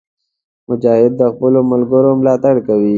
مجاهد د خپلو ملګرو ملاتړ کوي.